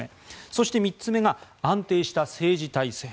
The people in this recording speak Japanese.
そして、３つ目が安定した政治体制。